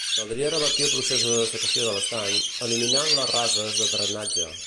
Caldria revertir el procés de dessecació de l'estany, eliminant les rases de drenatge.